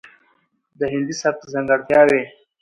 ،دهندي سبک ځانګړتياوې،